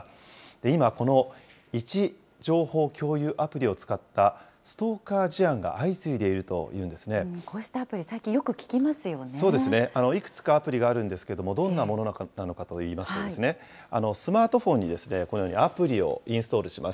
今、この位置情報共有アプリを使ったストーカー事案が相次いでいるとこうしたアプリ、最近、よくそうですね、いくつかアプリがあるんですけれども、どんなものなのかといいますとね、スマートフォンにこのようにアプリをインストールします。